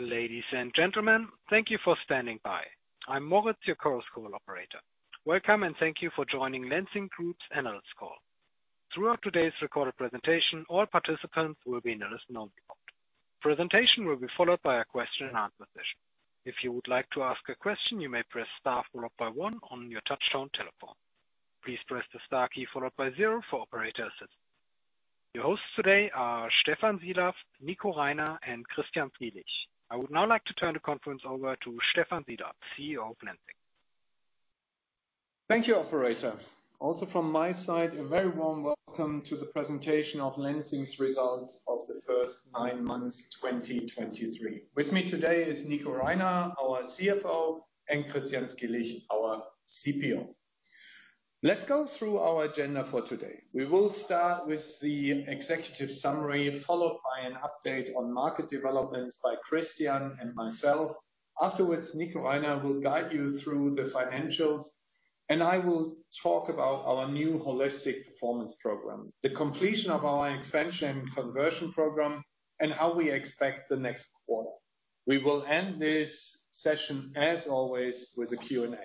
Ladies and gentlemen, thank you for standing by. I'm Moritz, your chorus call operator. Welcome, and thank you for joining Lenzing Group's analyst call. Throughout today's recorded presentation, all participants will be in a listen-only mode. Presentation will be followed by a question and answer session. If you would like to ask a question, you may press star followed by one on your touchtone telephone. Please press the star key followed by zero for operator assistance. Your hosts today are Stephan Sielaff, Nico Reiner, and Christian Skilich. I would now like to turn the conference over to Stephan Sielaff, CEO of Lenzing. Thank you, operator. Also, from my side, a very warm welcome to the presentation of Lenzing's result of the first nine months, 2023. With me today is Nico Reiner, our CFO, and Christian Skilich, our CPO. Let's go through our agenda for today. We will start with the executive summary, followed by an update on market developments by Christian and myself. Afterwards, Nico Reiner will guide you through the financials, and I will talk about our new holistic performance program, the completion of our expansion conversion program, and how we expect the next quarter. We will end this session, as always, with a Q&A.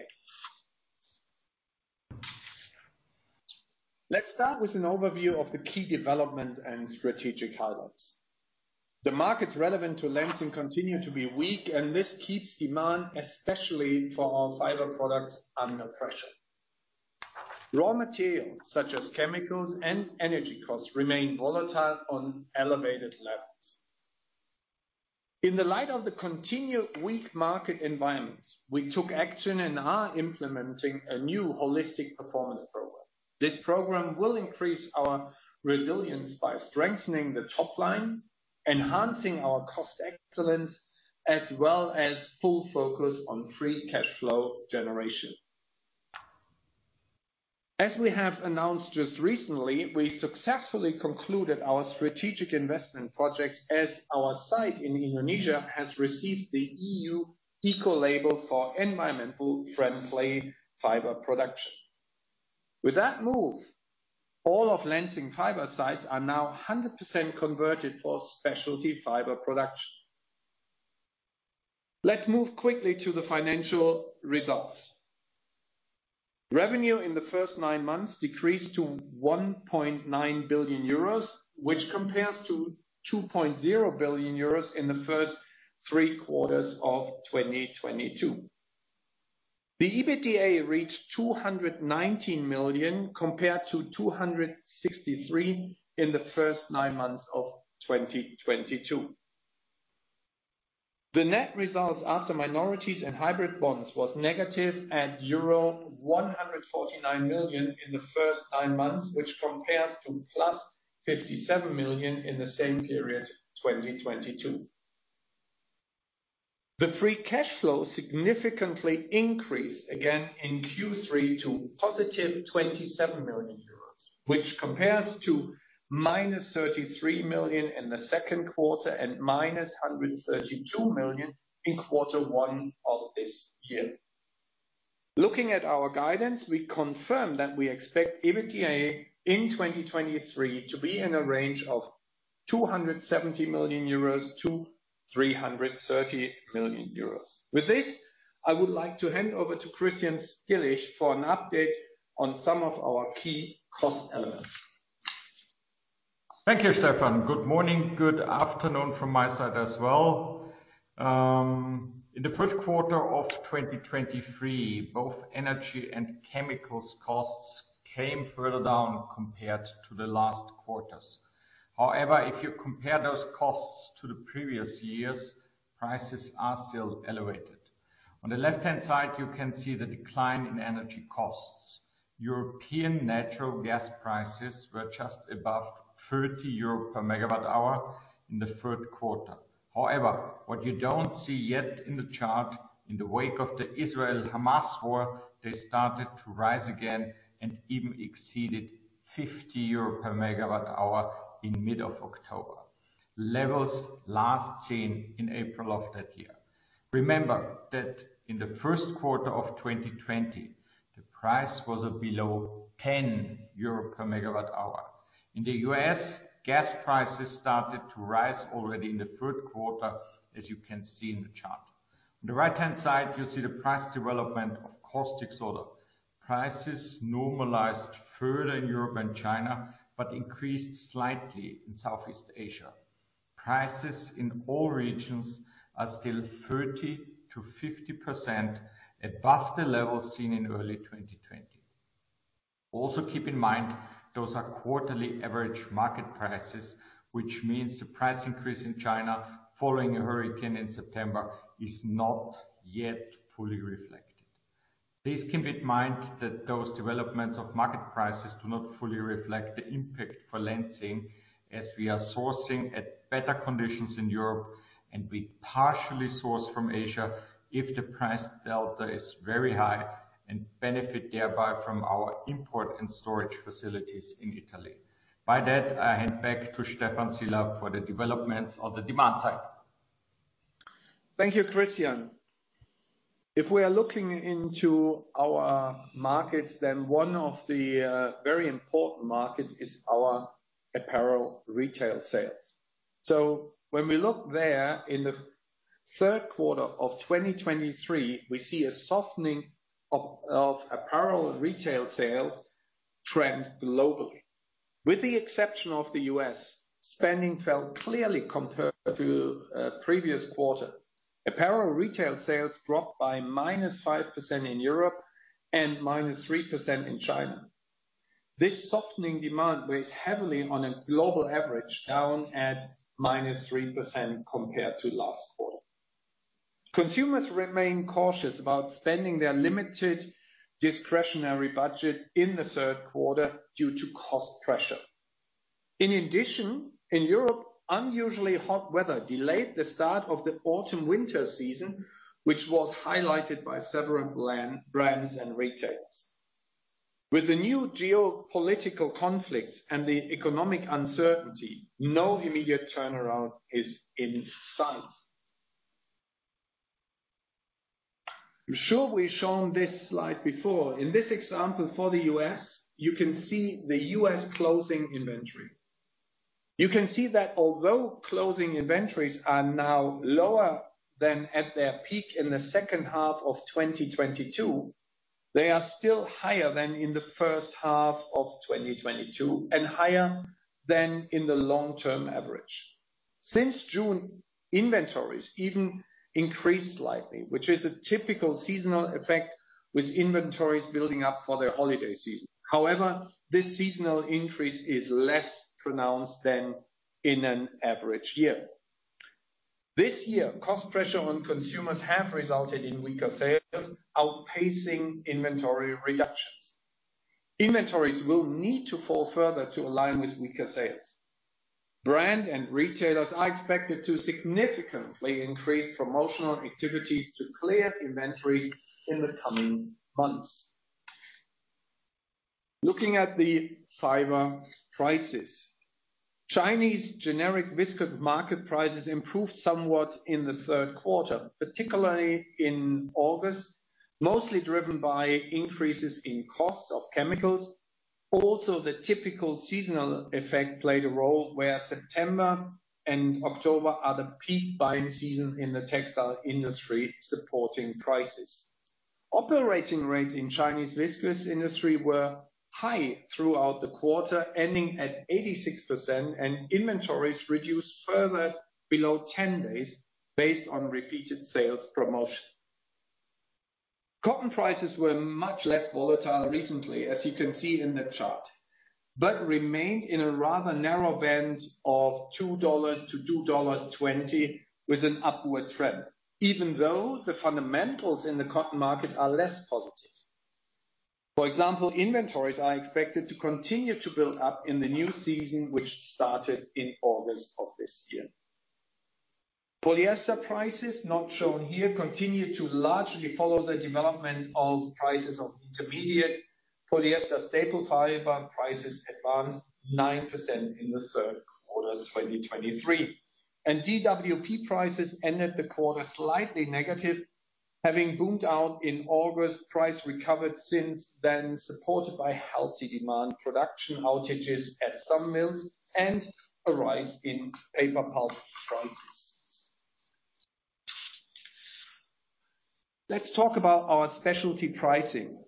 Let's start with an overview of the key developments and strategic highlights. The markets relevant to Lenzing continue to be weak, and this keeps demand, especially for our fiber products, under pressure. Raw materials, such as chemicals and energy costs, remain volatile on elevated levels. In the light of the continued weak market environment, we took action and are implementing a new holistic performance program. This program will increase our resilience by strengthening the top line, enhancing our cost excellence, as well as full focus on free cash flow generation. As we have announced just recently, we successfully concluded our strategic investment projects as our site in Indonesia has received the EU Ecolabel for environmentally friendly fiber production. With that move, all of Lenzing fiber sites are now 100% converted for specialty fiber production. Let's move quickly to the financial results. Revenue in the first nine months decreased to 1.9 billion euros, which compares to 2.0 billion euros in the first three quarters of 2022. The EBITDA reached 219 million, compared to 263 million in the first nine months of 2022. The net results after minorities and hybrid bonds was negative at euro 149 million in the first nine months, which compares to 57 million in the same period, 2022. The free cash flow significantly increased again in Q3 to 27 million euros, which compares to -33 million in the second quarter and -132 million in quarter one of this year. Looking at our guidance, we confirm that we expect EBITDA in 2023 to be in a range of 270 million-330 million euros. With this, I would like to hand over to Christian Skilich for an update on some of our key cost elements. Thank you, Stephan. Good morning. Good afternoon from my side as well. In the first quarter of 2023, both energy and chemicals costs came further down compared to the last quarters. However, if you compare those costs to the previous years, prices are still elevated. On the left-hand side, you can see the decline in energy costs. European natural gas prices were just above 30 euro per megawatt hour in the third quarter. However, what you don't see yet in the chart, in the wake of the Israel-Hamas war, they started to rise again and even exceeded 50 euro per megawatt hour in mid-October. Levels last seen in April of that year. Remember that in the first quarter of 2020, the price was below 10 euro per megawatt hour. In the U.S., gas prices started to rise already in the third quarter, as you can see in the chart. On the right-hand side, you see the price development of caustic soda. Prices normalized further in Europe and China, but increased slightly in Southeast Asia. Prices in all regions are still 30%-50% above the level seen in early 2020. Also, keep in mind, those are quarterly average market prices, which means the price increase in China following a hurricane in September is not yet fully reflected. Please keep in mind that those developments of market prices do not fully reflect the impact for Lenzing, as we are sourcing at better conditions in Europe, and we partially source from Asia if the price delta is very high, and benefit thereby from our import and storage facilities in Italy. By that, I hand back to Stephan Sielaff for the developments on the demand side. Thank you, Christian. If we are looking into our markets, then one of the, very important markets is our apparel retail sales. So when we look there, in the third quarter of 2023, we see a softening of apparel retail sales trend globally. With the exception of the U.S., spending fell clearly compared to previous quarter. Apparel retail sales dropped by -5% in Europe and -3% in China. This softening demand weighs heavily on a global average, down at -3% compared to last quarter. Consumers remained cautious about spending their limited discretionary budget in the third quarter due to cost pressure. In addition, in Europe, unusually hot weather delayed the start of the autumn/winter season, which was highlighted by several brands and retailers. With the new geopolitical conflicts and the economic uncertainty, no immediate turnaround is in sight. I'm sure we've shown this slide before. In this example, for the U.S., you can see the U.S. closing inventory. You can see that although closing inventories are now lower than at their peak in the second half of 2022, they are still higher than in the first half of 2022, and higher than in the long-term average. Since June, inventories even increased slightly, which is a typical seasonal effect, with inventories building up for the holiday season. However, this seasonal increase is less pronounced than in an average year. This year, cost pressure on consumers have resulted in weaker sales, outpacing inventory reductions. Inventories will need to fall further to align with weaker sales. Brands and retailers are expected to significantly increase promotional activities to clear inventories in the coming months. Looking at the fiber prices, Chinese generic viscose market prices improved somewhat in the third quarter, particularly in August, mostly driven by increases in costs of chemicals. Also, the typical seasonal effect played a role, where September and October are the peak buying season in the textile industry, supporting prices. Operating rates in Chinese viscose industry were high throughout the quarter, ending at 86%, and inventories reduced further below 10 days, based on repeated sales promotion. Cotton prices were much less volatile recently, as you can see in the chart, but remained in a rather narrow band of $2-$2.20, with an upward trend, even though the fundamentals in the cotton market are less positive. For example, inventories are expected to continue to build up in the new season, which started in August of this year. Polyester prices, not shown here, continue to largely follow the development of prices of intermediate polyester staple fiber. Prices advanced 9% in the third quarter of 2023. DWP prices ended the quarter slightly negative. Having boomed out in August, price recovered since then, supported by healthy demand, production outages at some mills, and a rise in paper pulp prices. Let's talk about our specialty pricing.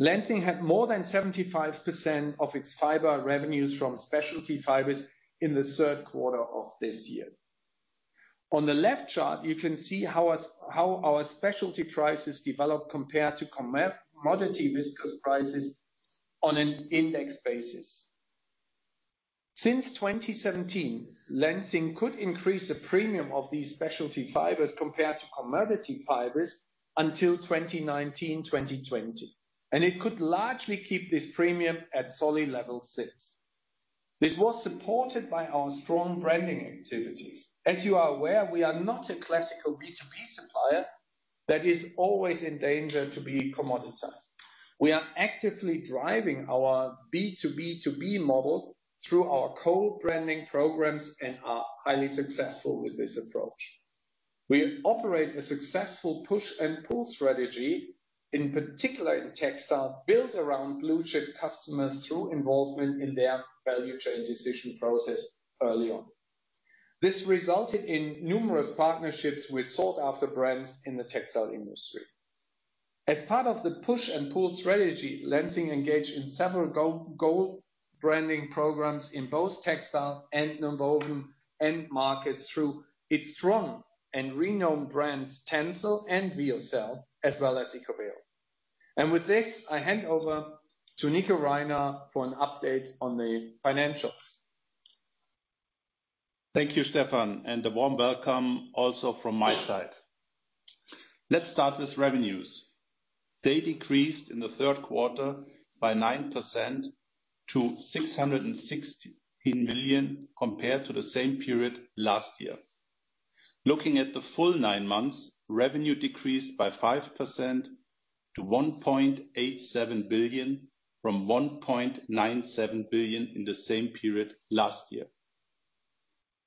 Lenzing had more than 75% of its fiber revenues from specialty fibers in the third quarter of this year. On the left chart, you can see how our specialty prices developed compared to commodity viscose prices on an index basis. Since 2017, Lenzing could increase the premium of these specialty fibers compared to commodity fibers until 2019, 2020, and it could largely keep this premium at solid level since. This was supported by our strong branding activities. As you are aware, we are not a classical B2B supplier that is always in danger to be commoditized. We are actively driving our B2B2B model through our co-branding programs, and are highly successful with this approach. We operate a successful push and pull strategy, in particular in textile, built around blue chip customers through involvement in their value chain decision process early on. This resulted in numerous partnerships with sought-after brands in the textile industry. As part of the push and pull strategy, Lenzing engaged in several goal branding programs in both textile and nonwoven end markets through its strong and renowned brands, TENCEL and Lyocell, as well as ECOVERO. With this, I hand over to Nico Reiner for an update on the financials. Thank you, Stephan, and a warm welcome also from my side. Let's start with revenues. They decreased in the third quarter by 9% to 616 million, compared to the same period last year. Looking at the full nine months, revenue decreased by 5% to 1.87 billion, from 1.97 billion in the same period last year....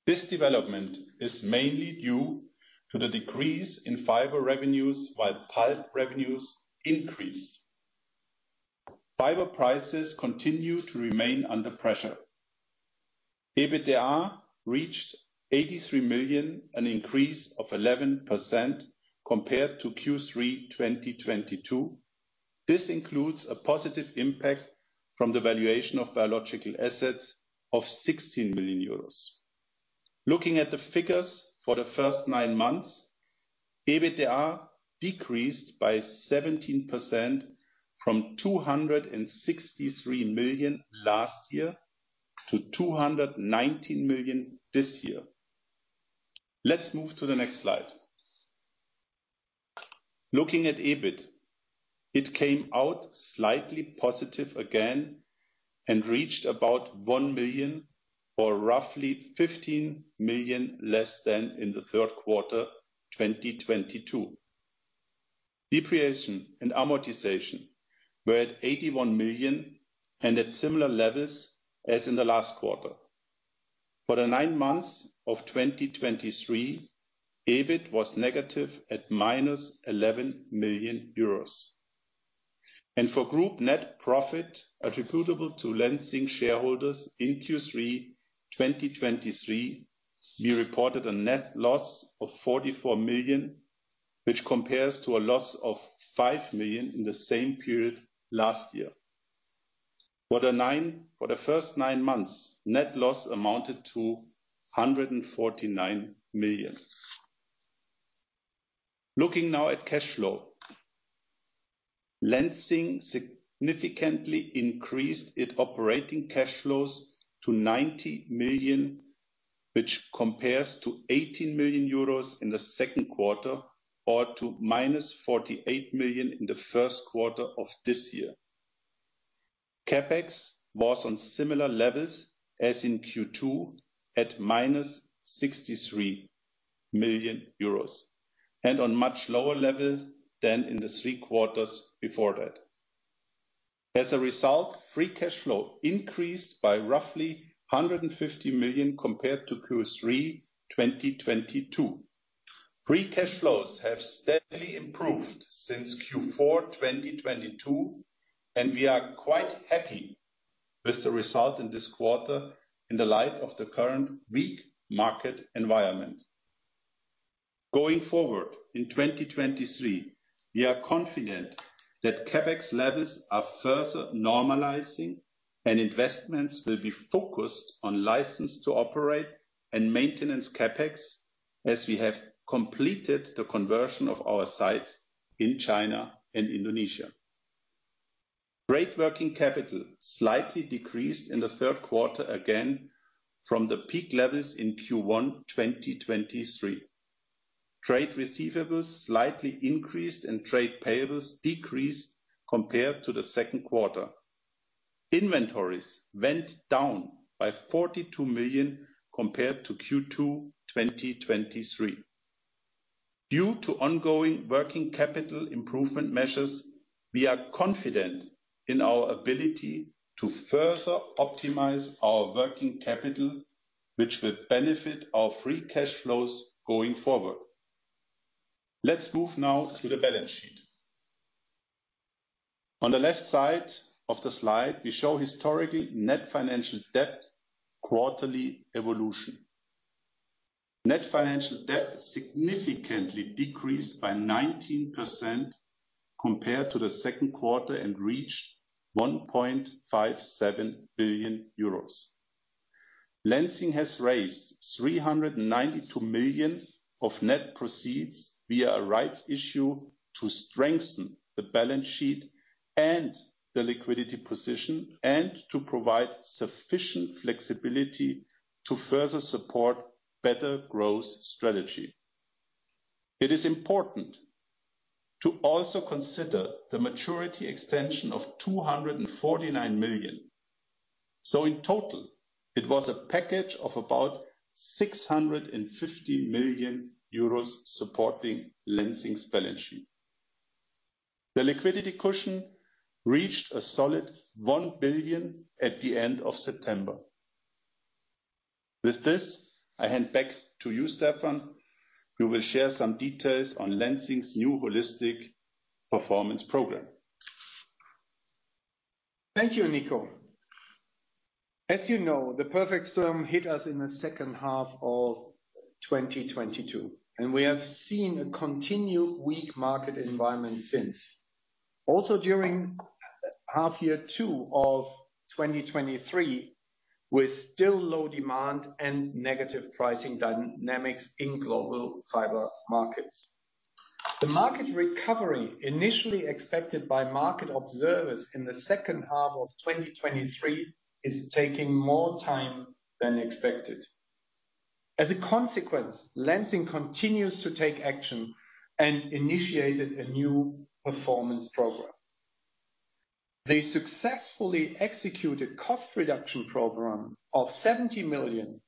This development is mainly due to the decrease in fiber revenues, while pulp revenues increased. Fiber prices continue to remain under pressure. EBITDA reached 83 million, an increase of 11% compared to Q3 2022. This includes a positive impact from the valuation of biological assets of 16 million euros. Looking at the figures for the first nine months, EBITDA decreased by 17% from 263 million last year to 219 million this year. Let's move to the next slide. Looking at EBIT, it came out slightly positive again and reached about 1 million or roughly 15 million less than in the third quarter, 2022. Depreciation and amortization were at 81 million and at similar levels as in the last quarter. For the nine months of 2023, EBIT was negative at -11 million euros. For group net profit attributable to Lenzing shareholders in Q3 2023, we reported a net loss of 44 million, which compares to a loss of 5 million in the same period last year. For the first nine months, net loss amounted to 149 million. Looking now at cash flow. Lenzing significantly increased its operating cash flows to 90 million, which compares to 18 million euros in the second quarter, or to -48 million in the first quarter of this year. CapEx was on similar levels as in Q2, at -63 million euros, and on much lower levels than in the three quarters before that. As a result, free cash flow increased by roughly 150 million compared to Q3 2022. Free cash flows have steadily improved since Q4 2022, and we are quite happy with the result in this quarter in the light of the current weak market environment. Going forward, in 2023, we are confident that CapEx levels are further normalizing, and investments will be focused on license to operate and maintenance CapEx, as we have completed the conversion of our sites in China and Indonesia. Net working capital slightly decreased in the third quarter, again, from the peak levels in Q1 2023. Trade receivables slightly increased and trade payables decreased compared to the second quarter. Inventories went down by 42 million compared to Q2 2023. Due to ongoing working capital improvement measures, we are confident in our ability to further optimize our working capital, which will benefit our free cash flows going forward. Let's move now to the balance sheet. On the left side of the slide, we show historically net financial debt quarterly evolution. Net financial debt significantly decreased by 19% compared to the second quarter and reached 1.57 billion euros. Lenzing has raised 392 million of net proceeds via a rights issue to strengthen the balance sheet and the liquidity position, and to provide sufficient flexibility to further support better growth strategy. It is important to also consider the maturity extension of 249 million. So in total, it was a package of about 650 million euros supporting Lenzing's balance sheet. The liquidity cushion reached a solid 1 billion at the end of September. With this, I hand back to you, Stephan. We will share some details on Lenzing's new holistic performance program. Thank you, Nico. As you know, the perfect storm hit us in the second half of 2022, and we have seen a continued weak market environment since. Also, during the second half of 2023, with still low demand and negative pricing dynamics in global fiber markets. The market recovery initially expected by market observers in the second half of 2023 is taking more time than expected. As a consequence, Lenzing continues to take action and initiated a new performance program. The successfully executed cost reduction program of 70 million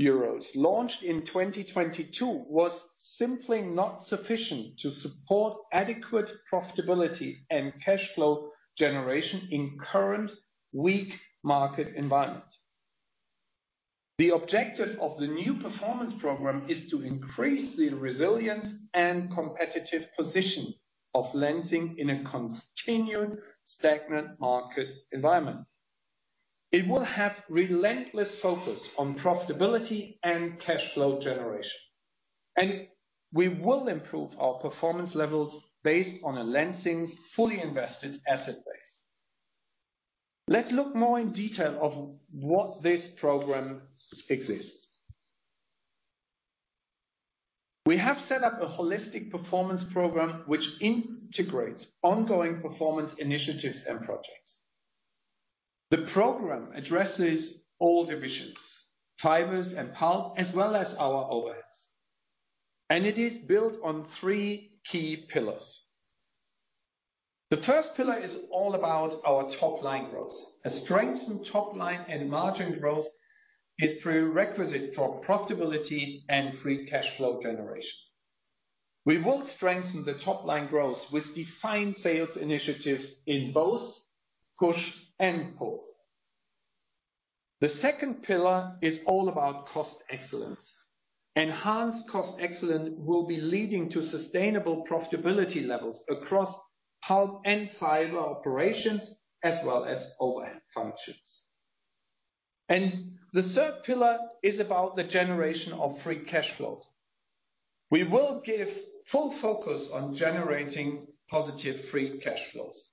euros launched in 2022 was simply not sufficient to support adequate profitability and cash flow generation in current weak market environment. The objective of the new performance program is to increase the resilience and competitive position of Lenzing in a continued stagnant market environment. It will have relentless focus on profitability and cash flow generation, and we will improve our performance levels based on Lenzing's fully invested asset base. Let's look more in detail at what this program consists of. We have set up a holistic performance program, which integrates ongoing performance initiatives and projects. The program addresses all divisions, fibers and pulp, as well as our overheads, and it is built on three key pillars. The first pillar is all about our top line growth. A strengthened top line and margin growth is prerequisite for profitability and free cash flow generation. We will strengthen the top line growth with defined sales initiatives in both push and pull. The second pillar is all about cost excellence. Enhanced cost excellence will be leading to sustainable profitability levels across pulp and fiber operations, as well as overhead functions. The third pillar is about the generation of free cash flow. We will give full focus on generating positive free cash flows.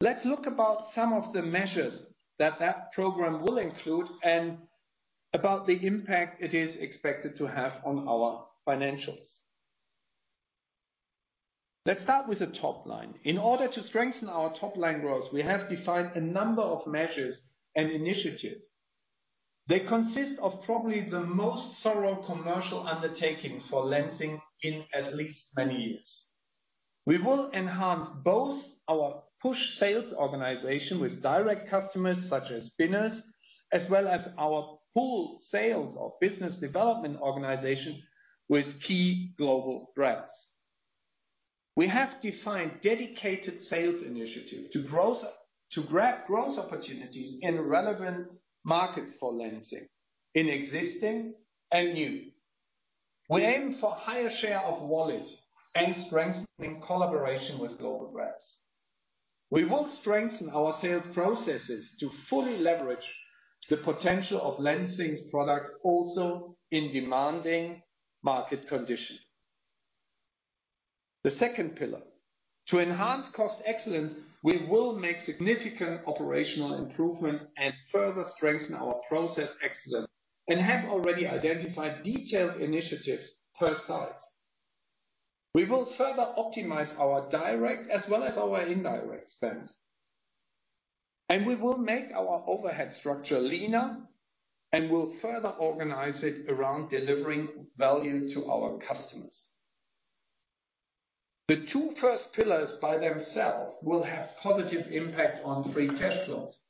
Let's look about some of the measures that that program will include and about the impact it is expected to have on our financials. Let's start with the top line. In order to strengthen our top line growth, we have defined a number of measures and initiatives. They consist of probably the most thorough commercial undertakings for Lenzing in at least many years. We will enhance both our push sales organization with direct customers such as spinners, as well as our pull sales or business development organization with key global brands. We have defined dedicated sales initiatives to growth, to grab growth opportunities in relevant markets for Lenzing, in existing and new. We aim for higher share of wallet and strengthening collaboration with global brands. We will strengthen our sales processes to fully leverage the potential of Lenzing's products, also in demanding market conditions. The second pillar: to enhance cost excellence, we will make significant operational improvement and further strengthen our process excellence, and have already identified detailed initiatives per site. We will further optimize our direct as well as our indirect spend, and we will make our overhead structure leaner, and we'll further organize it around delivering value to our customers. The two first pillars by themselves will have positive impact on free cash flows.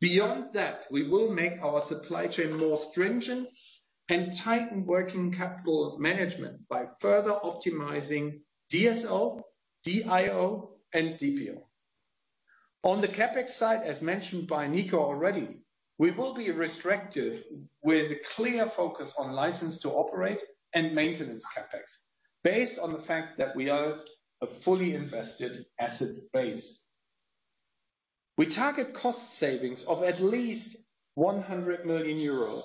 Beyond that, we will make our supply chain more stringent and tighten working capital management by further optimizing DSO, DIO, and DPO. On the CapEx side, as mentioned by Nico already, we will be restrictive with a clear focus on license to operate and maintenance CapEx, based on the fact that we are a fully invested asset base. We target cost savings of at least 100 million euros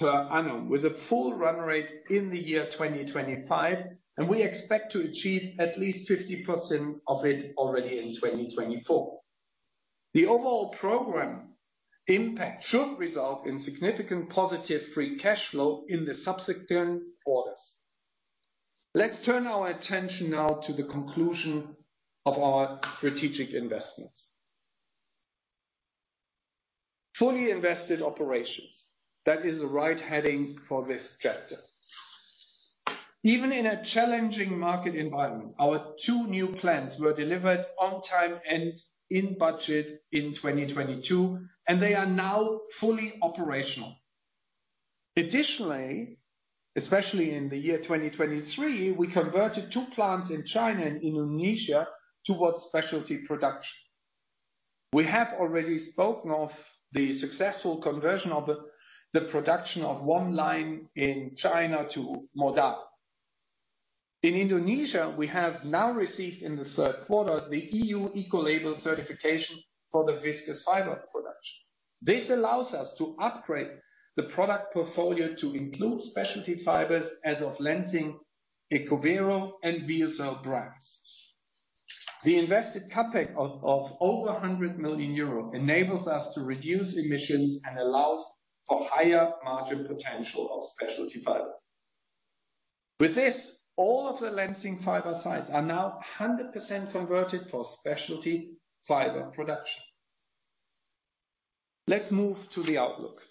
per annum, with a full run rate in the year 2025, and we expect to achieve at least 50% of it already in 2024. The overall program impact should result in significant positive free cash flow in the subsequent quarters. Let's turn our attention now to the conclusion of our strategic investments. Fully invested operations. That is the right heading for this chapter. Even in a challenging market environment, our two new plants were delivered on time and in budget in 2022, and they are now fully operational. Additionally, especially in the year 2023, we converted two plants in China and Indonesia towards specialty production. We have already spoken of the successful conversion of the production of one line in China to Modal. In Indonesia, we have now received in the third quarter the EU Ecolabel certification for the viscose fiber production. This allows us to upgrade the product portfolio to include specialty fibers from Lenzing ECOVERO and lyocell brands. The invested CapEx of over 100 million euro enables us to reduce emissions and allows for higher margin potential of specialty fiber. With this, all of the Lenzing fiber sites are now 100% converted for specialty fiber production. Let's move to the outlook.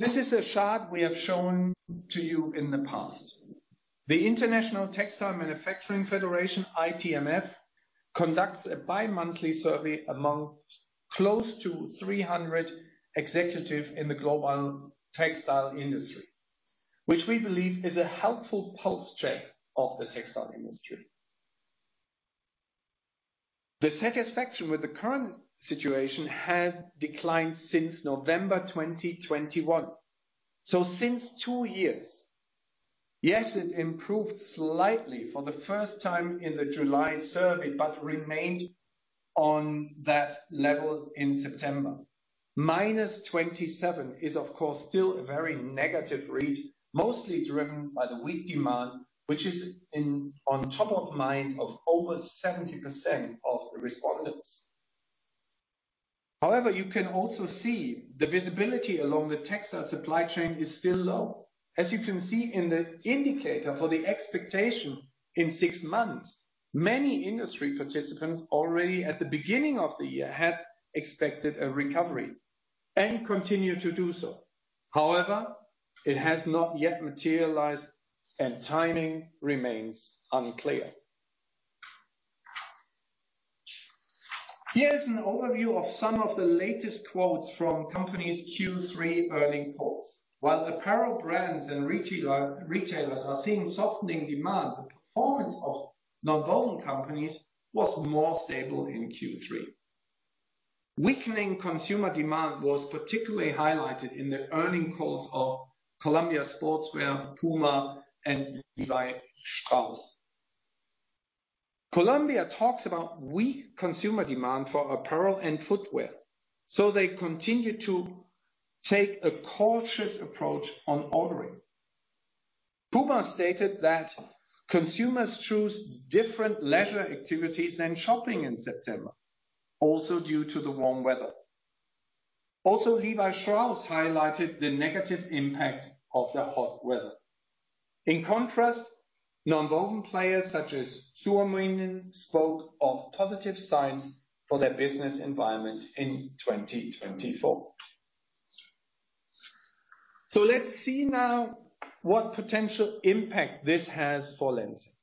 This is a chart we have shown to you in the past. The International Textile Manufacturers Federation, ITMF, conducts a bi-monthly survey among close to 300 executives in the global textile industry, which we believe is a helpful pulse check of the textile industry. The satisfaction with the current situation had declined since November 2021, so since two years. Yes, it improved slightly for the first time in the July survey, but remained on that level in September. Minus 27 is, of course, still a very negative read, mostly driven by the weak demand, which is in, on top of mind of over 70% of the respondents. However, you can also see the visibility along the textile supply chain is still low. As you can see in the indicator for the expectation in six months, many industry participants already at the beginning of the year, had expected a recovery and continue to do so. However, it has not yet materialized, and timing remains unclear. Here is an overview of some of the latest quotes from companies' Q3 earnings calls. While apparel brands and retailers are seeing softening demand, the performance of nonwoven companies was more stable in Q3. Weakening consumer demand was particularly highlighted in the earnings calls of Columbia Sportswear, PUMA and Levi Strauss. Columbia talks about weak consumer demand for apparel and footwear, so they continue to take a cautious approach on ordering. PUMA stated that consumers choose different leisure activities than shopping in September, also due to the warm weather. Also, Levi Strauss highlighted the negative impact of the hot weather. In contrast, nonwoven players such as Suominen spoke of positive signs for their business environment in 2024. So let's see now what potential impact this has for Lenzing.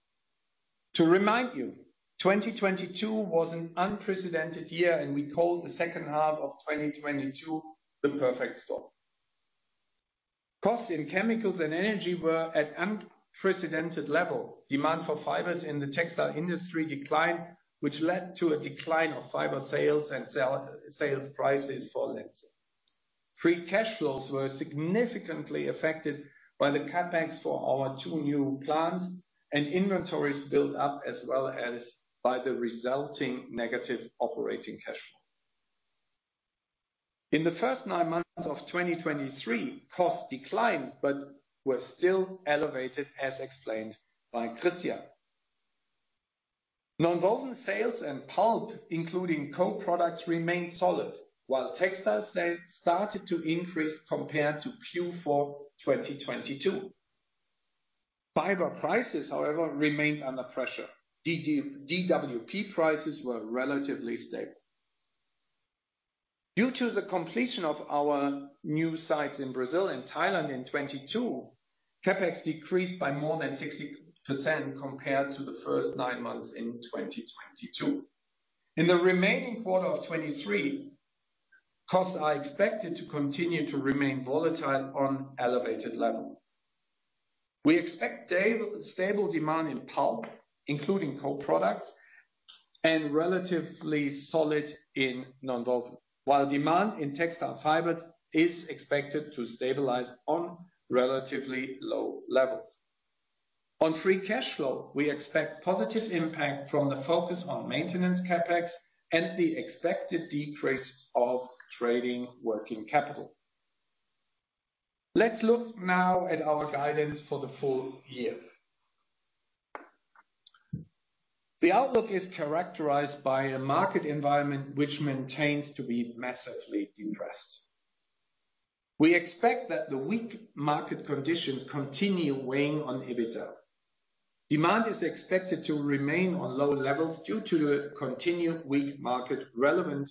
To remind you, 2022 was an unprecedented year, and we called the second half of 2022 the perfect storm. Costs in chemicals and energy were at unprecedented level. Demand for fibers in the textile industry declined, which led to a decline of fiber sales and sales prices for Lenzing. Free cash flows were significantly affected by the CapEx for our two new plants and inventories built up, as well as by the resulting negative operating cash flow. In the first nine months of 2023, costs declined, but were still elevated, as explained by Christian. Nonwoven sales and pulp, including co-products, remained solid, while textiles sale started to increase compared to Q4 2022. Fiber prices, however, remained under pressure. DWP prices were relatively stable. Due to the completion of our new sites in Brazil and Thailand in 2022, CapEx decreased by more than 60% compared to the first nine months in 2022. In the remaining quarter of 2023, costs are expected to continue to remain volatile on elevated level. We expect stable demand in pulp, including co-products, and relatively solid in nonwoven, while demand in textile fibers is expected to stabilize on relatively low levels. On free cash flow, we expect positive impact from the focus on maintenance CapEx and the expected decrease of trading working capital. Let's look now at our guidance for the full year. The outlook is characterized by a market environment which maintains to be massively depressed. We expect that the weak market conditions continue weighing on EBITDA. Demand is expected to remain on low levels due to the continued weak market relevant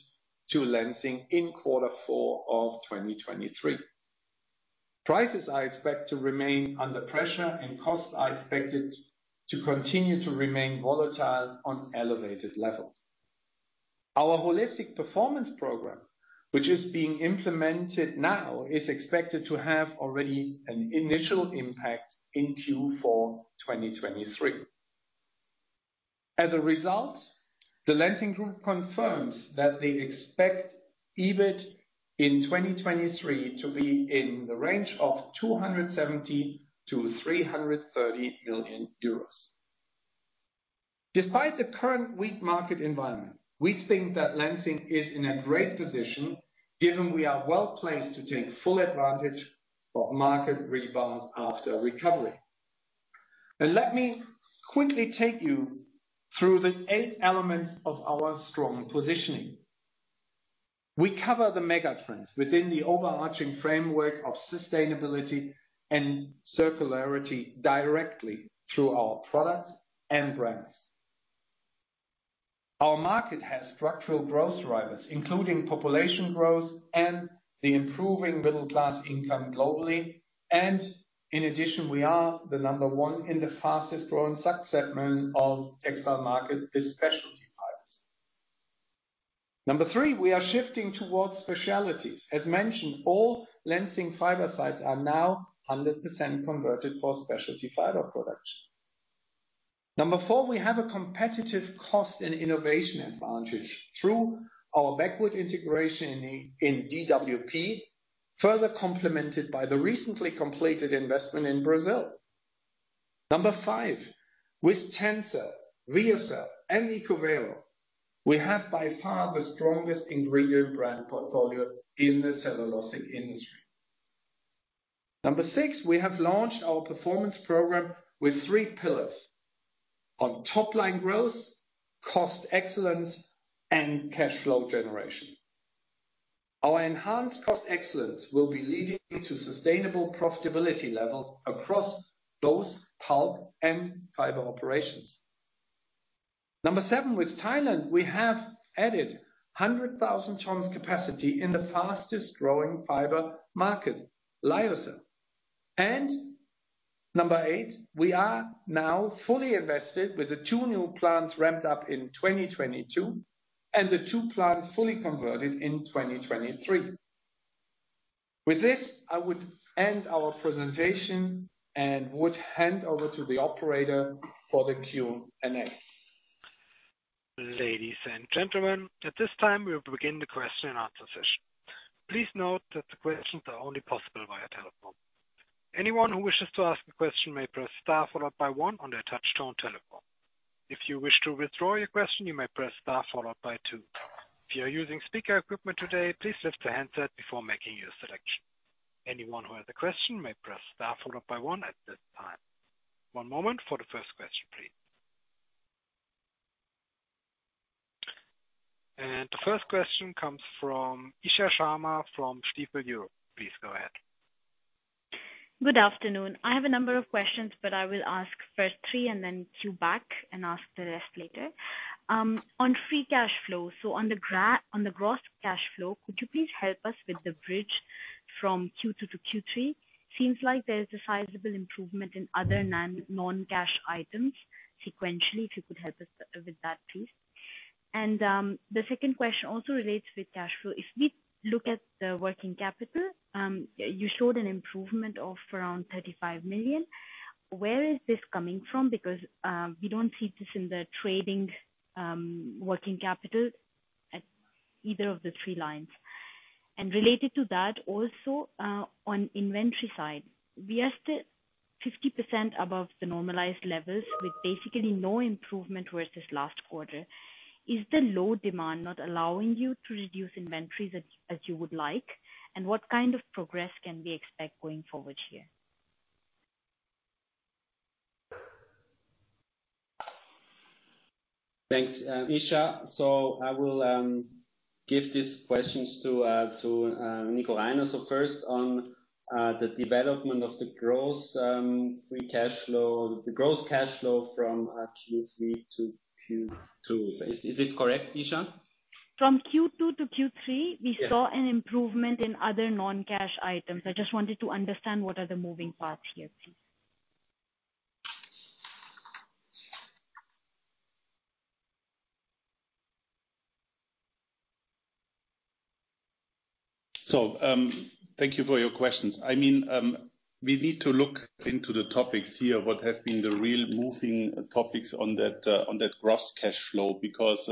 to Lenzing in quarter four of 2023. Prices are expected to remain under pressure, and costs are expected to continue to remain volatile on elevated levels. Our holistic performance program, which is being implemented now, is expected to have already an initial impact in Q4 2023. As a result, the Lenzing Group confirms that they expect EBIT in 2023 to be in the range of 270 million-330 million euros. Despite the current weak market environment, we think that Lenzing is in a great position, given we are well-placed to take full advantage of market rebound after a recovery. Let me quickly take you through the eight elements of our strong positioning. We cover the mega trends within the overarching framework of sustainability and circularity directly through our products and brands.... Our market has structural growth drivers, including population growth and the improving middle class income globally. In addition, we are the number one in the fastest growing sub-segment of textile market, the specialty fibers. Number three, we are shifting towards specialties. As mentioned, all Lenzing fiber sites are now 100% converted for specialty fiber production. Number four, we have a competitive cost and innovation advantage through our backward integration in, in DWP, further complemented by the recently completed investment in Brazil. Number five, with TENCEL, Lyocell, and ECOVERO, we have by far the strongest ingredient brand portfolio in the cellulosic industry. Number six, we have launched our performance program with three pillars: on top line growth, cost excellence, and cash flow generation. Our enhanced cost excellence will be leading to sustainable profitability levels across those pulp and fiber operations. Number seven, with Thailand, we have added 100,000 tons capacity in the fastest growing fiber market, Lyocell. And number eight, we are now fully invested, with the two new plants ramped up in 2022, and the two plants fully converted in 2023. With this, I would end our presentation and would hand over to the operator for the Q&A. Ladies and gentlemen, at this time, we will begin the question and answer session. Please note that the questions are only possible via telephone. Anyone who wishes to ask a question may press star followed by one on their touchtone telephone. If you wish to withdraw your question, you may press star followed by two. If you are using speaker equipment today, please lift the handset before making your selection. Anyone who has a question may press star followed by one at this time. One moment for the first question, please. The first question comes from Isha Sharma, from Stifel Europe. Please go ahead. Good afternoon. I have a number of questions, but I will ask first three and then queue back and ask the rest later. On free cash flow, so on the gross cash flow, could you please help us with the bridge from Q2 to Q3? Seems like there is a sizable improvement in other non-cash items sequentially. If you could help us with that, please. And the second question also relates with cash flow. If we look at the working capital, you showed an improvement of around 35 million. Where is this coming from? Because we don't see this in the trading working capital at either of the three lines. And related to that, also, on inventory side, we are still 50% above the normalized levels, with basically no improvement versus last quarter. Is the low demand not allowing you to reduce inventories as you would like? And what kind of progress can we expect going forward here? Thanks, Isha. So I will give these questions to Nico. So first on the development of the gross free cash flow, the gross cash flow from Q3 to Q2. Is this correct, Isha? From Q2 to Q3- Yeah. We saw an improvement in other non-cash items. I just wanted to understand what are the moving parts here, please? So, thank you for your questions. I mean, we need to look into the topics here, what have been the real moving topics on that, on that gross cash flow, because,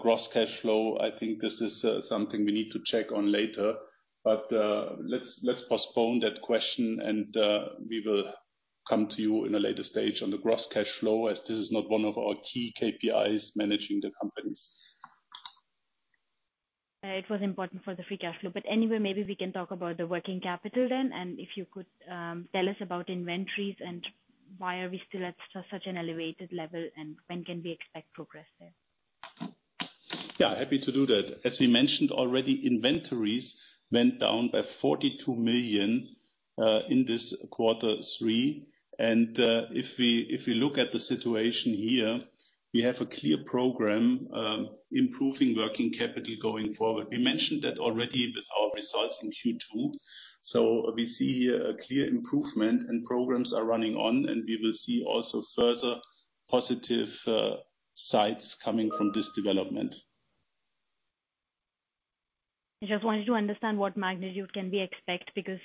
gross cash flow, I think this is, something we need to check on later. But, let's, let's postpone that question, and, we will come to you in a later stage on the gross cash flow, as this is not one of our key KPIs managing the companies. It was important for the free cash flow. But anyway, maybe we can talk about the working capital then, and if you could tell us about inventories and why are we still at such an elevated level, and when can we expect progress there? Yeah, happy to do that. As we mentioned already, inventories went down by 42 million in this quarter three. If we look at the situation here, we have a clear program improving working capital going forward. We mentioned that already with our results in Q2. So we see here a clear improvement, and programs are running on, and we will see also further positive sides coming from this development. I just wanted to understand what magnitude can we expect, because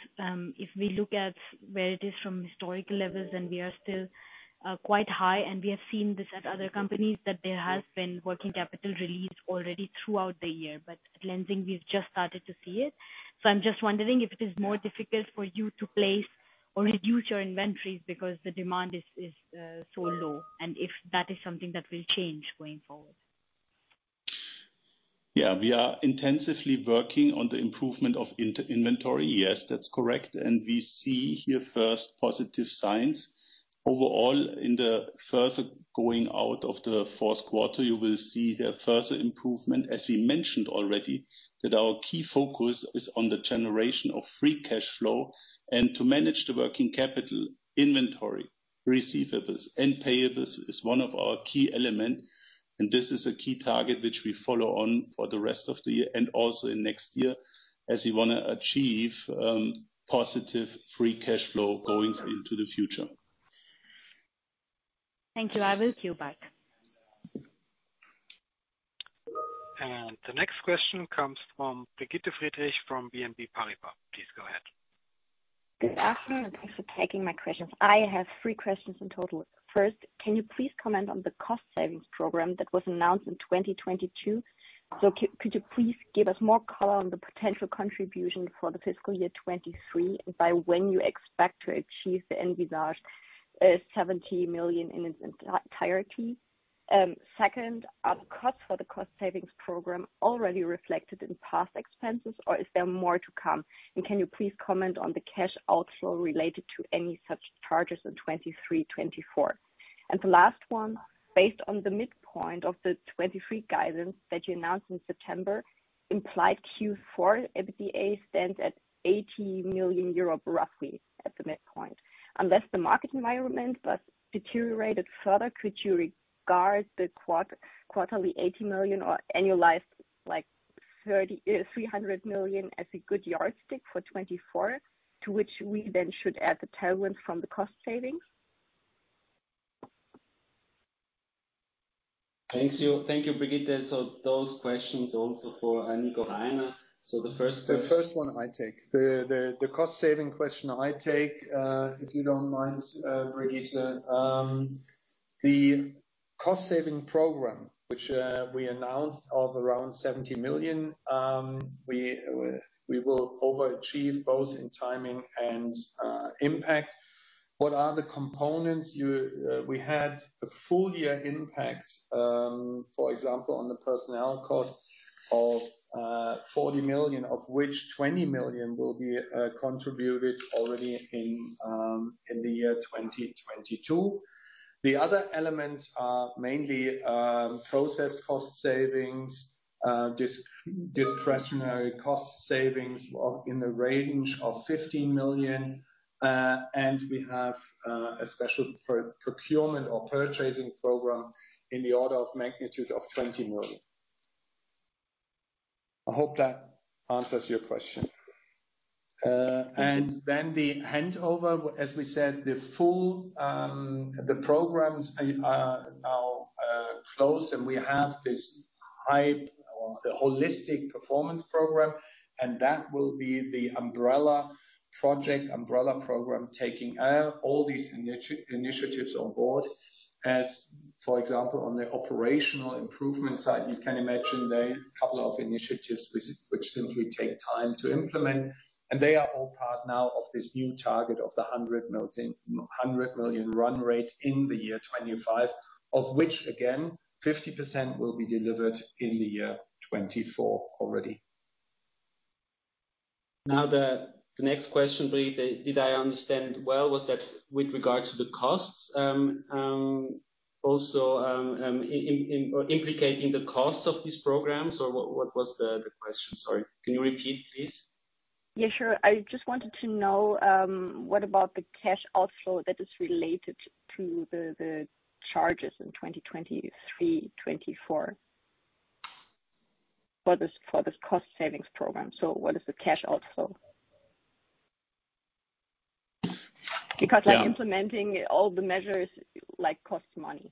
if we look at where it is from historical levels, then we are still quite high. And we have seen this at other companies, that there has been working capital release already throughout the year. But at Lenzing, we've just started to see it. So I'm just wondering if it is more difficult for you to place or reduce your inventories because the demand is so low, and if that is something that will change going forward. Yeah, we are intensively working on the improvement of inventory. Yes, that's correct, and we see here first positive signs. Overall, in the further going out of the fourth quarter, you will see a further improvement, as we mentioned already, that our key focus is on the generation of free cash flow and to manage the working capital inventory. ...receivables and payables is one of our key element, and this is a key target which we follow on for the rest of the year and also in next year, as we wanna achieve positive Free Cash Flow going into the future. Thank you. I will queue back. The next question comes from Brigitte Friedrich from BNP Paribas. Please go ahead. Good afternoon, and thanks for taking my questions. I have three questions in total. First, can you please comment on the cost savings program that was announced in 2022? So could you please give us more color on the potential contribution for the fiscal year 2023, and by when you expect to achieve the envisaged 70 million in its entirety? Second, are costs for the cost savings program already reflected in past expenses, or is there more to come? And can you please comment on the cash outflow related to any such charges in 2023, 2024? And the last one: Based on the midpoint of the 2023 guidance that you announced in September, implied Q4 EBITDA stands at 80 million euros, roughly at the midpoint. Unless the market environment was deteriorated further, could you regard the quarterly 80 million or annualized, like 300 million as a good yardstick for 2024, to which we then should add the tailwind from the cost savings? Thank you. Thank you, Brigitte. So those questions also for, Nico Reiner. So the first question- The first one I take. The cost saving question I take, if you don't mind, Brigitte. The cost saving program, which we announced of around 70 million, we will overachieve both in timing and impact. What are the components? We had a full year impact, for example, on the personnel cost of 40 million, of which 20 million will be contributed already in the year 2022. The other elements are mainly process cost savings, discretionary cost savings of, in the range of 15 million. And we have a special procurement or purchasing program in the order of magnitude of 20 million. I hope that answers your question. And then the handover, as we said, the full, the programs are, are now, close, and we have this hype or the holistic performance program, and that will be the umbrella project, umbrella program, taking, all these initiatives on board. As, for example, on the operational improvement side, you can imagine there are a couple of initiatives which, which simply take time to implement, and they are all part now of this new target of the 100 million run rate in the year 2025, of which, again, 50% will be delivered in the year 2024 already. Now, the next question, Brigitte, did I understand well, was that with regards to the costs, also, in, or implicating the costs of these programs, or what was the question? Sorry. Can you repeat, please? Yeah, sure. I just wanted to know, what about the cash outflow that is related to the charges in 2023, 2024 for this cost savings program? So what is the cash outflow? Yeah. Because, like, implementing all the measures, like, costs money.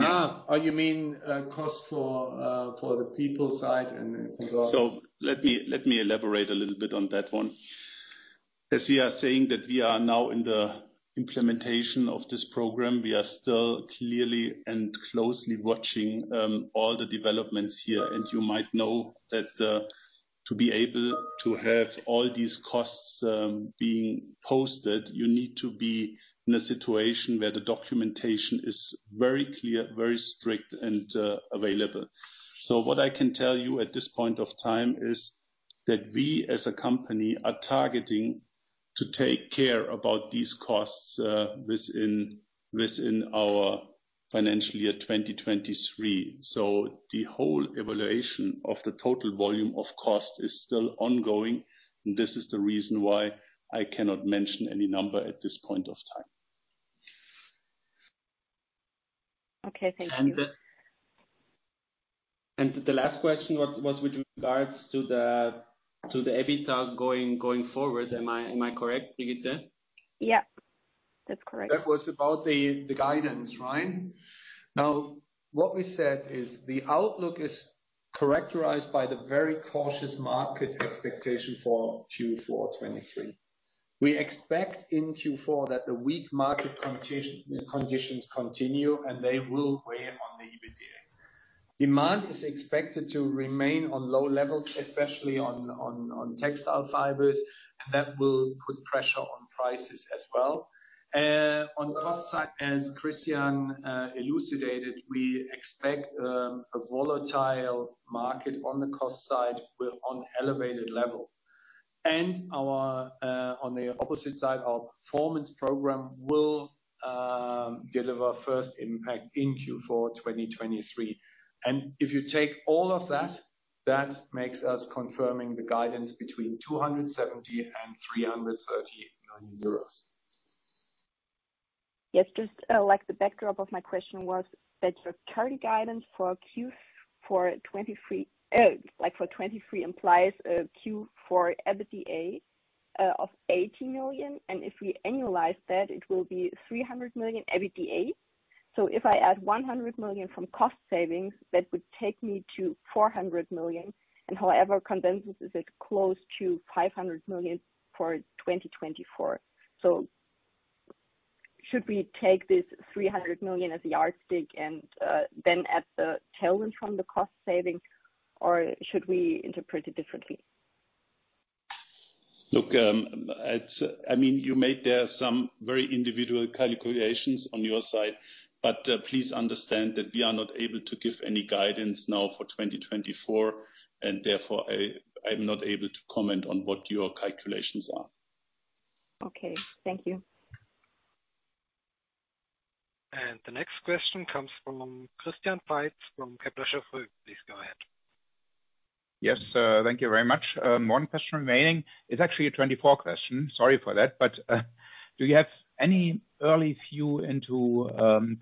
Ah, oh, you mean, cost for, for the people side and, and so on? So let me elaborate a little bit on that one. As we are saying, that we are now in the implementation of this program, we are still clearly and closely watching all the developments here. And you might know that to be able to have all these costs being posted, you need to be in a situation where the documentation is very clear, very strict, and available. So what I can tell you at this point of time is that we as a company are targeting to take care about these costs within our financial year 2023. So the whole evaluation of the total volume of cost is still ongoing, and this is the reason why I cannot mention any number at this point of time. Okay, thank you. The last question was with regards to the EBITDA going forward. Am I correct, Brigitte? Yeah, that's correct. That was about the guidance, right? Now, what we said is the outlook is characterized by the very cautious market expectation for Q4 2023. We expect in Q4 that the weak market conditions continue, and they will weigh on the EBITDA. Demand is expected to remain on low levels, especially on textile fibers, and that will put pressure on prices as well. On cost side, as Christian elucidated, we expect a volatile market on the cost side with on elevated level. And on the opposite side, our performance program will deliver first impact in Q4 2023. And if you take all of that, that makes us confirming the guidance between 270 million and 330 million euros. Yes, just, like the backdrop of my question was that your current guidance for Q4 2023 implies a Q4 EBITDA of 80 million, and if we annualize that, it will be 300 million EBITDA. So if I add 100 million from cost savings, that would take me to 400 million, and however condensing, is it close to 500 million for 2024. So should we take this 300 million as a yardstick and, then add the tailwind from the cost savings, or should we interpret it differently? Look, I mean, you made there some very individual calculations on your side, but please understand that we are not able to give any guidance now for 2024, and therefore, I, I'm not able to comment on what your calculations are. Okay, thank you. The next question comes from Christian Veit, from Hauck & Aufhäuser. Please go ahead. Yes, thank you very much. One question remaining. It's actually a 24 question. Sorry for that, but, do you have any early view into,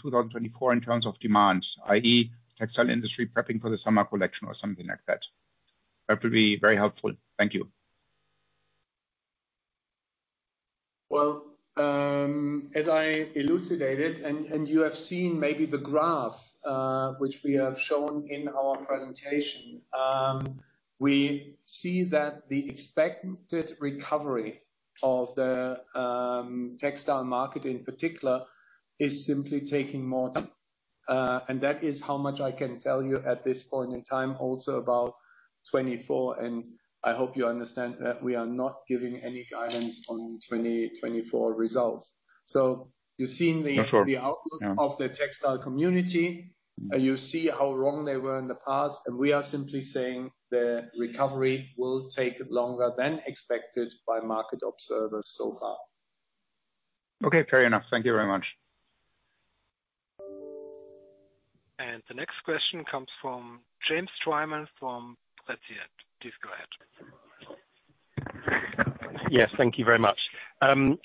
2024 in terms of demands, i.e., textile industry prepping for the summer collection or something like that? That would be very helpful. Thank you. Well, as I elucidated and you have seen maybe the graph, which we have shown in our presentation, we see that the expected recovery of the textile market, in particular, is simply taking more time. That is how much I can tell you at this point in time, also about 2024, and I hope you understand that we are not giving any guidance on 2024 results. So you've seen the- For sure. - the outlook of the textile community. You see how wrong they were in the past, and we are simply saying the recovery will take longer than expected by market observers so far. Okay, fair enough. Thank you very much. The next question comes from James Twyman, from Prescient. Please go ahead. Yes, thank you very much. Thank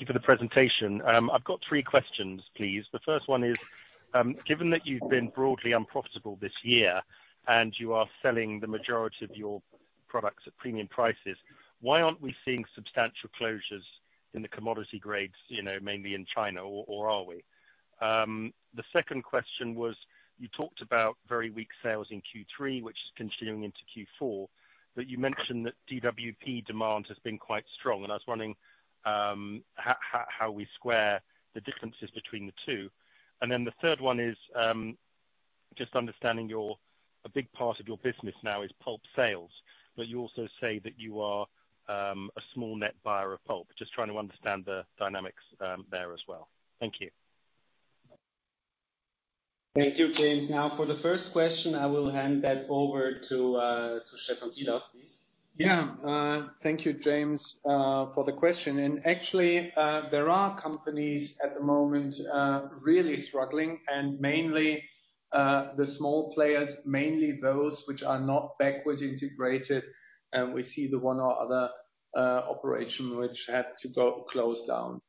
you for the presentation. I've got three questions, please. The first one is, given that you've been broadly unprofitable this year, and you are selling the majority of your products at premium prices, why aren't we seeing substantial closures in the commodity grades, you know, mainly in China, or, or are we? The second question was, you talked about very weak sales in Q3, which is continuing into Q4, but you mentioned that DWP demand has been quite strong, and I was wondering, how, how, how we square the differences between the two. And then the third one is, just understanding your… A big part of your business now is pulp sales, but you also say that you are, a small net buyer of pulp. Just trying to understand the dynamics, there as well. Thank you. Thank you, James. Now, for the first question, I will hand that over to Stephan Sielaff, please. Yeah. Thank you, James, for the question. And actually, there are companies at the moment really struggling, and mainly the small players, mainly those which are not backwards integrated, and we see the one or other operation which had to close down.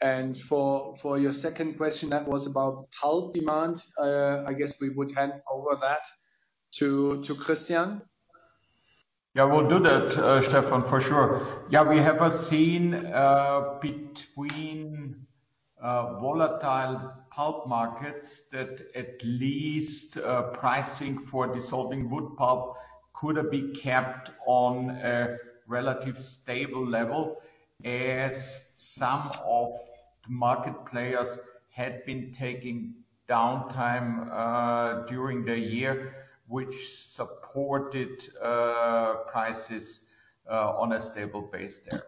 And for your second question, that was about pulp demand, I guess we would hand over that to Christian. Yeah, we'll do that, Stephan, for sure. Yeah, we have seen between volatile pulp markets that at least pricing for dissolving wood pulp could have been kept on a relatively stable level, as some of the market players had been taking downtime during the year, which supported prices on a stable base there.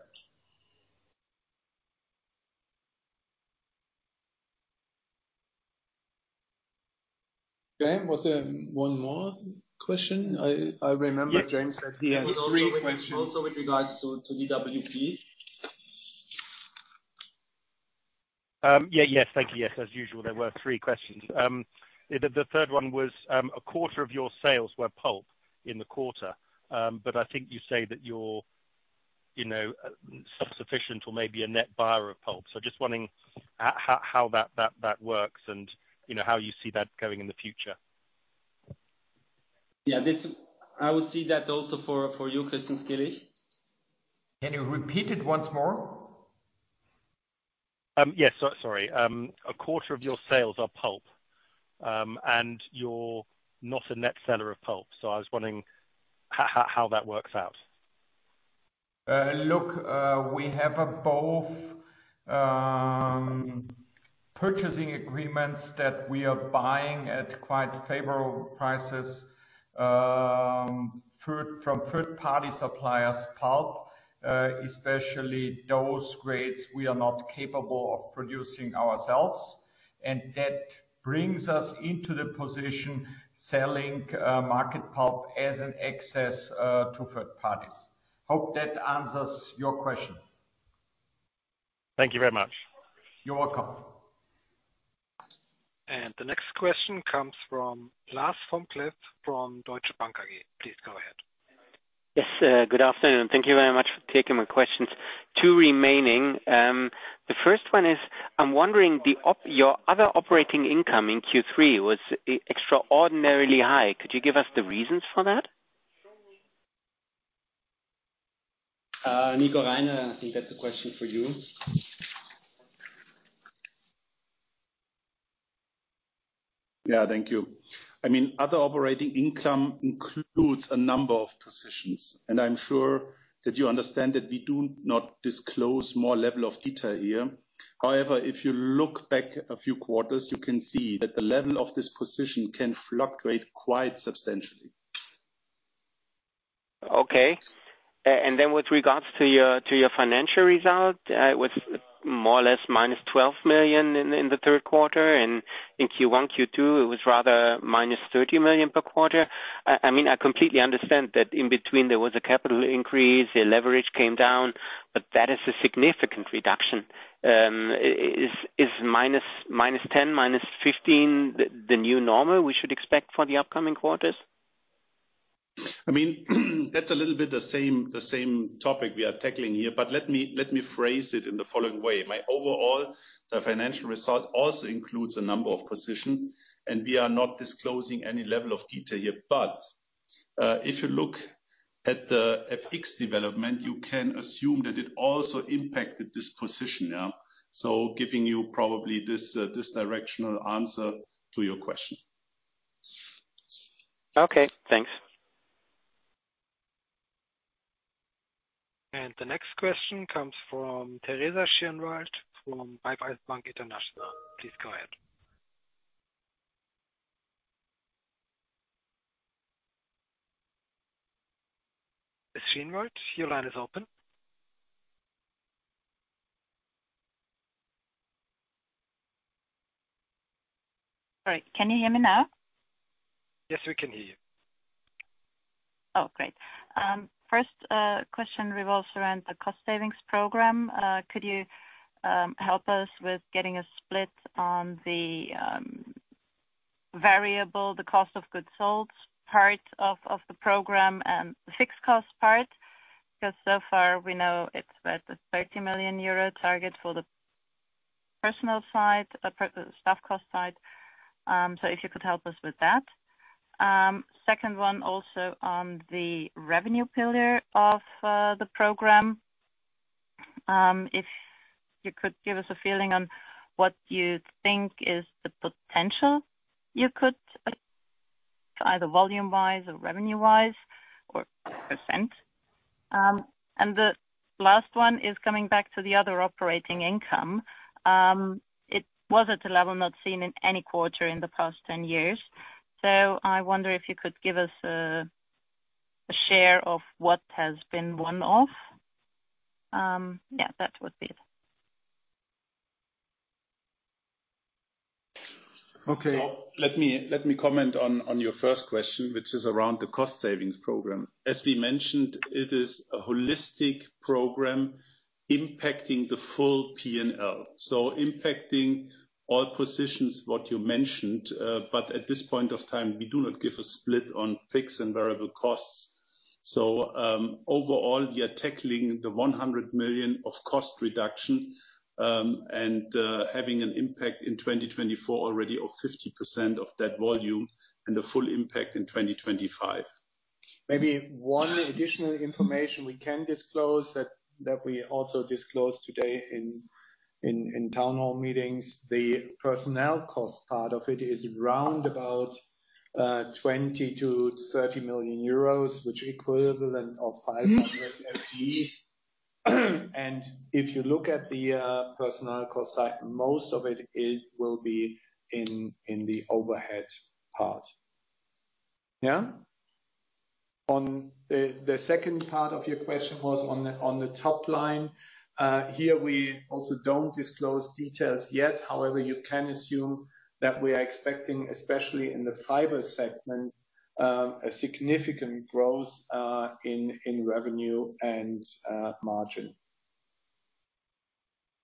James, was there one more question? I, I remember- Yes. James said he had three questions. Also with regards to DWP. Yeah, yes, thank you. Yes, as usual, there were three questions. The third one was a quarter of your sales were pulp in the quarter. But I think you say that you're, you know, self-sufficient or maybe a net buyer of pulp. So just wondering how that works and, you know, how you see that going in the future. Yeah, this... I would see that also for you, Christian Skilich. Can you repeat it once more? Yes, sorry. A quarter of your sales are pulp, and you're not a net seller of pulp. So I was wondering how that works out. Look, we have both purchasing agreements that we are buying at quite favorable prices from third-party suppliers pulp, especially those grades we are not capable of producing ourselves.... and that brings us into the position selling, market pulp as an excess, to third parties. Hope that answers your question. Thank you very much. You're welcome. The next question comes from Lars Vom Cleff from Deutsche Bank AG. Please go ahead. Yes, good afternoon. Thank you very much for taking my questions. Two remaining. The first one is, I'm wondering, your other operating income in Q3 was extraordinarily high. Could you give us the reasons for that? Nico Reiner, I think that's a question for you. Yeah, thank you. I mean, other operating income includes a number of positions, and I'm sure that you understand that we do not disclose more level of detail here. However, if you look back a few quarters, you can see that the level of this position can fluctuate quite substantially. Okay. And then with regards to your financial result, with more or less -12 million in the third quarter, and in Q1, Q2, it was rather -30 million per quarter. I mean, I completely understand that in between there was a capital increase, the leverage came down, but that is a significant reduction. Is minus 10, minus 15, the new normal we should expect for the upcoming quarters? I mean, that's a little bit the same, the same topic we are tackling here, but let me, let me phrase it in the following way. My overall, financial result also includes a number of position, and we are not disclosing any level of detail here. But, if you look at the FX development, you can assume that it also impacted this position now. So giving you probably this, this directional answer to your question. Okay, thanks. The next question comes from Teresa Schinwald from Raiffeisen Bank International. Please go ahead. Theresa Schönwald, your line is open. Sorry, can you hear me now? Yes, we can hear you. Oh, great. First, question revolves around the cost savings program. Could you help us with getting a split on the variable, the cost of goods sold part of the program and the fixed cost part? Because so far we know it's about a 30 million euro target for the personnel side per the staff cost side. So if you could help us with that. Second one, also on the revenue pillar of the program, if you could give us a feeling on what you think is the potential you could either volume-wise or revenue-wise or percent. And the last one is coming back to the other operating income. It was at a level not seen in any quarter in the past 10 years. I wonder if you could give us a share of what has been one-off. Yeah, that would be it. Okay. So let me comment on your first question, which is around the cost savings program. As we mentioned, it is a holistic program impacting the full P&L, so impacting all positions, what you mentioned, but at this point of time, we do not give a split on fixed and variable costs. So, overall, we are tackling the 100 million of cost reduction, and having an impact in 2024 already of 50% of that volume, and the full impact in 2025. Maybe one additional information we can disclose that we also disclosed today in town hall meetings. The personnel cost part of it is round about 20 million-30 million euros, which equivalent of 500 FTEs. And if you look at the personnel cost side, most of it will be in the overhead part. Yeah? On the second part of your question was on the top line. Here, we also don't disclose details yet. However, you can assume that we are expecting, especially in the fiber segment, a significant growth in revenue and margin.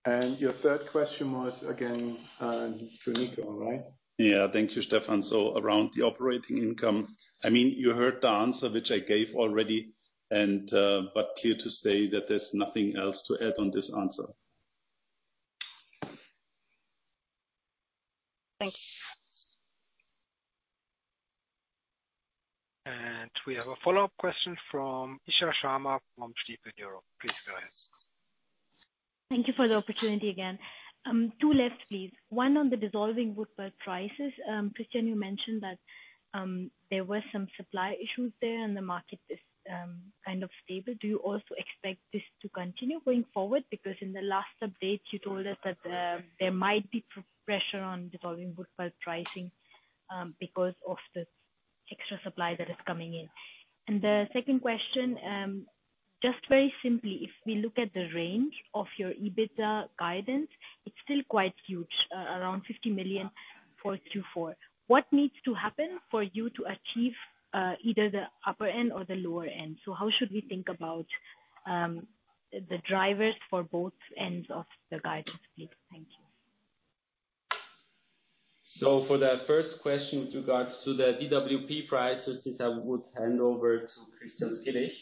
And your third question was, again, to Nico, right? Yeah. Thank you, Stephan. Around the operating income, I mean, you heard the answer, which I gave already, and but clear to say that there's nothing else to add on this answer. Thank you. We have a follow-up question from Isha Sharma from Stifel Europe. Please go ahead. Thank you for the opportunity again. Two left, please. One, on the dissolving wood pulp prices. Christian, you mentioned that, there were some supply issues there, and the market is, kind of stable. Do you also expect this to continue going forward? Because in the last update, you told us that, there might be pressure on dissolving wood pulp pricing, because of the extra supply that is coming in. And the second question, just very simply, if we look at the range of your EBITDA guidance, it's still quite huge, around 50 million for Q4. What needs to happen for you to achieve, either the upper end or the lower end? So how should we think about, the drivers for both ends of the guidance, please? Thank you. So for the first question with regards to the DWP prices, this I would hand over to Christian Skilich.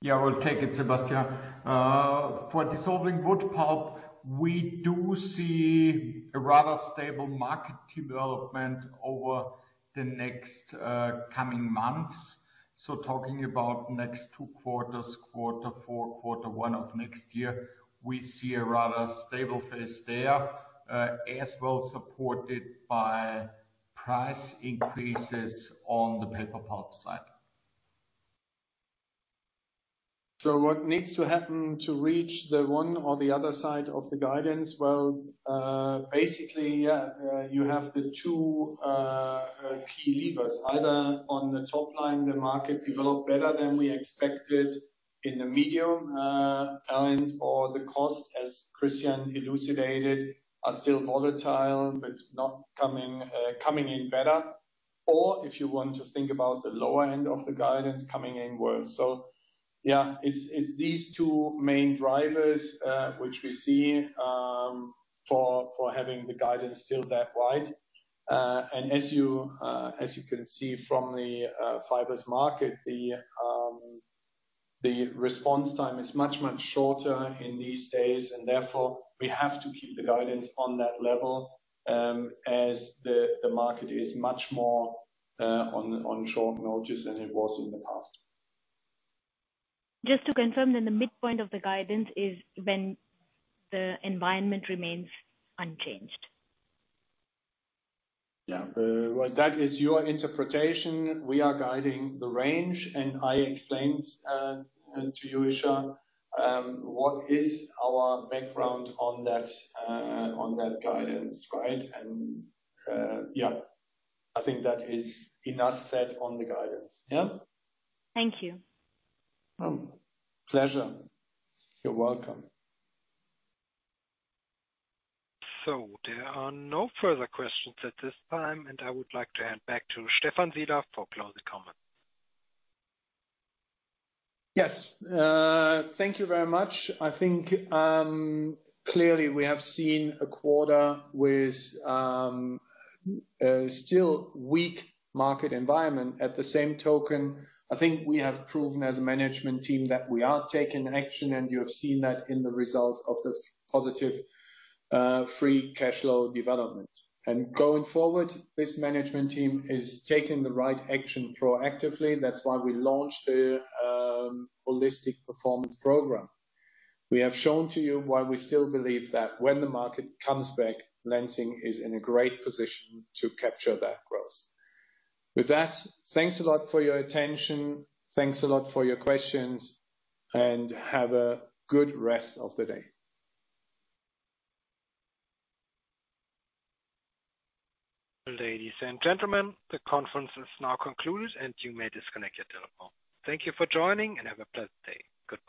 Yeah, I will take it, Sebastian. For dissolving wood pulp, we do see a rather stable market development over the next coming months. So talking about next two quarters, quarter four, quarter one of next year, we see a rather stable phase there, as well supported by price increases on the paper pulp side. So what needs to happen to reach the one or the other side of the guidance? Well, basically, yeah, you have the two key levers, either on the top line, the market developed better than we expected in the medium end, or the cost, as Christian elucidated, are still volatile, but not coming, coming in better. Or if you want to think about the lower end of the guidance, coming in worse. So yeah, it's, it's these two main drivers, which we see, for, for having the guidance still that wide. And as you can see from the fibers market, the response time is much, much shorter in these days, and therefore, we have to keep the guidance on that level, as the market is much more on short notice than it was in the past. Just to confirm, then the midpoint of the guidance is when the environment remains unchanged? Yeah. Well, that is your interpretation. We are guiding the range, and I explained to you, Isha, what is our background on that, on that guidance, right? And yeah, I think that is enough said on the guidance. Yeah? Thank you. Pleasure. You're welcome. There are no further questions at this time, and I would like to hand back to Stephan Sielaff for closing comments. Yes, thank you very much. I think, clearly we have seen a quarter with a still weak market environment. At the same token, I think we have proven as a management team that we are taking action, and you have seen that in the results of the positive free cash flow development. And going forward, this management team is taking the right action proactively. That's why we launched a holistic performance program. We have shown to you why we still believe that when the market comes back, Lenzing is in a great position to capture that growth. With that, thanks a lot for your attention. Thanks a lot for your questions, and have a good rest of the day. Ladies and gentlemen, the conference is now concluded, and you may disconnect your telephone. Thank you for joining and have a blessed day. Goodbye.